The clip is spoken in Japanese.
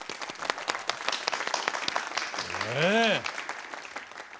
ねえ。